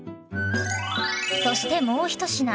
そしてもう一品。